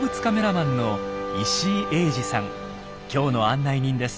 今日の案内人です。